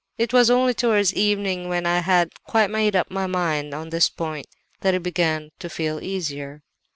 It was only towards evening, when I had quite made up my mind on this point, that I began to feel easier."